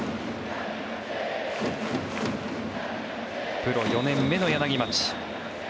プロ４年目の柳町。